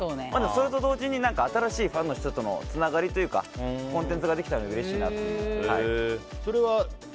それと同時に新しいファンの人とのつながりというかコンテンツができたらうれしいなという。